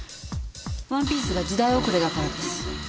ワンピースが時代遅れだからです。